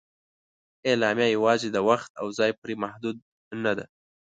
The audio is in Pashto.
اعلامیه یواځې د وخت او ځای پورې محدود نه ده.